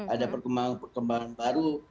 ada perkembangan perkembangan baru